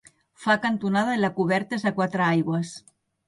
Fa cantonada i la coberta és a quatre aigües.